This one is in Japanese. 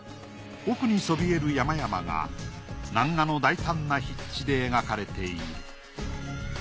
奥にそびえる山々が南画の大胆な筆致で描かれている。